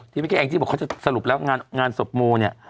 ที่แม่งที่บอกเขาจะสรุปแล้วงานสบโมเนี่ย